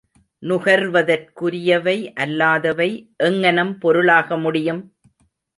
நுகர்வதற்குரியவை அல்லாதவை எங்ஙணம் பொருளாக முடியும்?